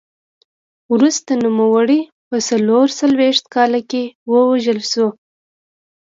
وروسته نوموړی په څلور څلوېښت کال کې ووژل شو